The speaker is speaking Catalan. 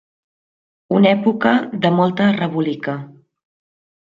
Una època de molta rebolica.